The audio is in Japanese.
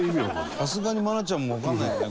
さすがに愛菜ちゃんもわかんないよね